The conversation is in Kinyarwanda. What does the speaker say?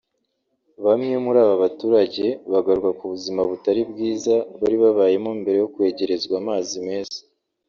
Bamwe muri aba baturage bagaruka ku buzima butari bwiza bari babayemo mbere yo kwegerezwa amazi meza